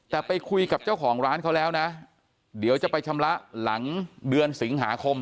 แต่ไปคุยกับเจ้าของร้านเขาแล้วนะเดี๋ยวจะไปชำระหลังเดือนสิงหาคม